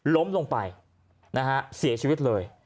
ล้มลงไปนะฮะเสียชีวิตเลย